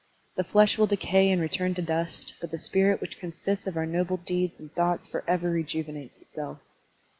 The flesh will decay and return to dust, but the spirit which consists of our noble deeds and thoughts forever rejuvenates itself.